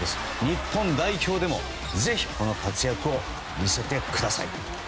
日本代表でもぜひこの活躍を見せてください！